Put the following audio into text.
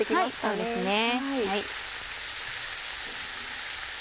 はいそうですね。